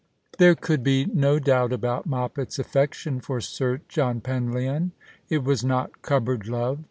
THERE could be no doubt about Moppet's affection for Sir John Penlyon. It was not cupboard love.